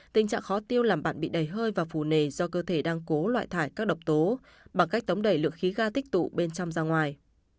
tình trạng khó tiêu làm bạn bị đầy hơi và phù nề do cơ thể đang cố loại thải các độc tố bằng cách tống đẩy lượng khí ga tích tụ bên trong ra ngoài